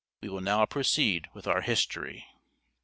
We will now proceed with our history.